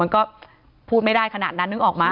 มันก็พูดไม่ได้ขนาดนั้นนึกออกมา